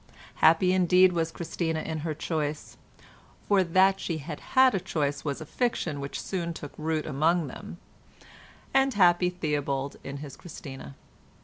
Happy indeed was Christina in her choice, for that she had had a choice was a fiction which soon took root among them—and happy Theobald in his Christina.